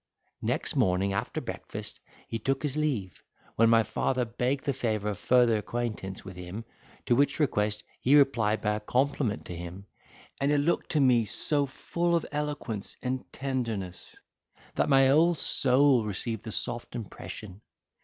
Next morning after breakfast he took his leave, when my father begged the favour of further acquaintance with him; to which request he replied by a compliment to him, and a look to me so full of eloquence and tenderness, that my whole soul received the soft impression.